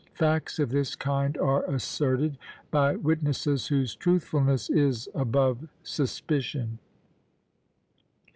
Facts of this kind are asserted by witnesses whose truthfulness is above suspicion."